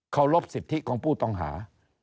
เขารบสิทธิของผู้ต้องหา